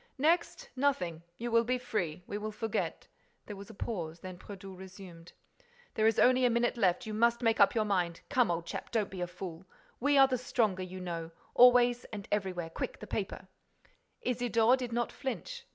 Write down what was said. "Next? Nothing.—You will be free.—We will forget—" There was a pause. Then Brédoux resumed: "There is only a minute left. You must make up your mind. Come, old chap, don't be a fool.—We are the stronger, you know, always and everywhere.—Quick, the paper—" Isidore did not flinch.